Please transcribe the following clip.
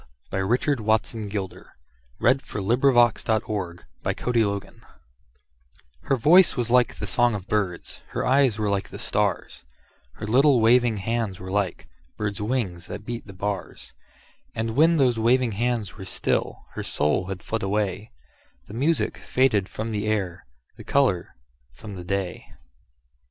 By Richard WatsonGilder 913 A Child HER voice was like the song of birds; Her eyes were like the stars; Her little waving hands were likeBirds' wings that beat the bars. And when those waving hands were still,—Her soul had fled away,—The music faded from the air, The color from the day.